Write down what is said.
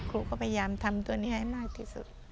ครูก็พยายามทำตัวนี้ให้มากที่สุด